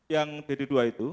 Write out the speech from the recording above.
yang dd dua itu